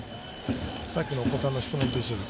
さっきのお子さんの質問と一緒です。